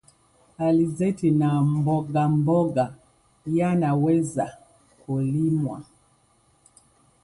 alizeti na mboga mboga yanaweza kulimwa.